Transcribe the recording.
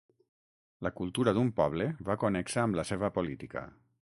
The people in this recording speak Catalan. La cultura d'un poble va connexa amb la seva política.